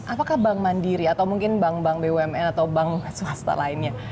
apakah bank mandiri atau mungkin bank bank bumn atau bank swasta lainnya